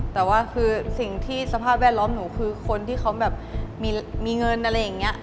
แต่ว่าคือสิ่งที่สภาพแวดล้อมหนูคือคนที่เขาแบบมีเงินอะไรอย่างนี้